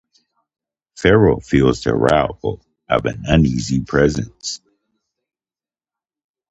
Farrow feels the arrival of an uneasy presence.